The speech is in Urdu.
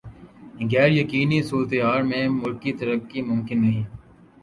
غیر یقینی صورتحال میں ملکی ترقی ممکن نہیں